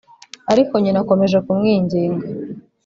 ariko Nyina akomeje kumwinginga